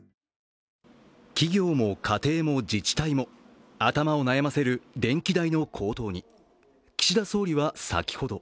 企業も家庭も自治体も、頭を悩ませる電気代の高騰に岸田総理は先ほど